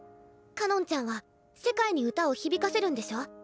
かのんちゃんは世界に歌を響かせるんでしょ？